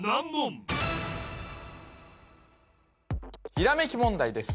ひらめき問題です